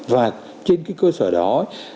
và trên cái cơ sở đó